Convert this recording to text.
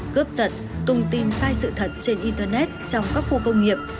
cướp giật tung tin sai sự thật trên internet trong các khu công nghiệp